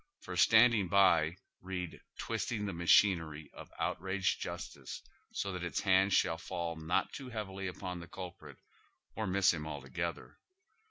For standing by, read twisting the machinery of outraged justice so that its hand shall fall not too heavily upon the culprit, or miss him alto gether.